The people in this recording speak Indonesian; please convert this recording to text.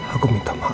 aku kok di rumah sakit